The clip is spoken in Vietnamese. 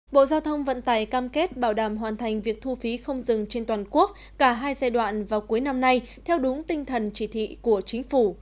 bộ giao thông vận tài cam kết bảo đảm hoàn thành việc thu phí không dừng trên toàn quốc cả hai giai đoạn vào cuối năm nay theo đúng tinh thần chỉ thị của chính phủ